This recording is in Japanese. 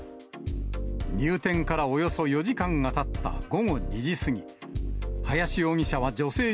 入店からおよそ４時間がたった午後２時過ぎ。